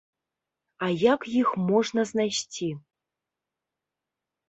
А як іх можна знайсці?